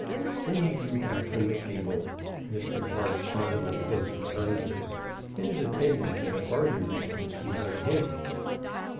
Then he drew back from the table, Mr. Hart following close behind him, and his attendant at a farther distance behind him.